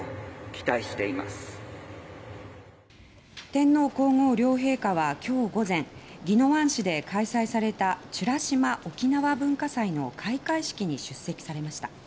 天皇・皇后両陛下は今日午前宜野湾市で開催された美ら島沖縄文化祭の開会式に出席されました。